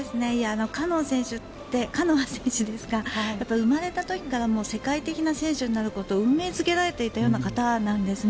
カノア選手って生まれた時から世界的な選手になることを運命付けられたような方なんですね。